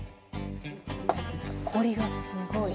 ほこりがすごい！